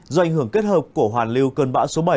do ảnh hưởng kết hợp của hoàn lưu cơn bão số bảy